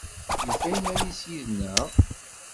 Yufa iman-is yid-neɣ?